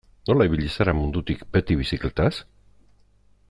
Nola ibili zara mundutik beti bizikletaz?